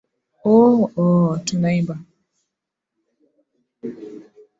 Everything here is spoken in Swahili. Ooooo ooh tunaimba